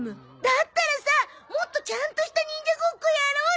だったらさもっとちゃんとした忍者ごっこやろうよ！